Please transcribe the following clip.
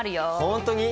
本当に？